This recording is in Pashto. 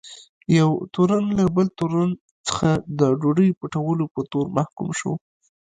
یو تورن له بل تورن څخه د ډوډۍ پټولو په تور محکوم شو.